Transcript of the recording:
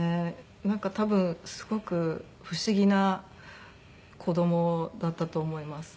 なんか多分すごく不思議な子供だったと思います。